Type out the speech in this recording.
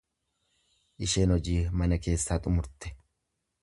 Isheen hojii mana keessaa xumurte.